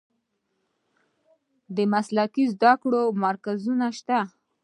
د مسلکي زده کړو مرکزونه شته؟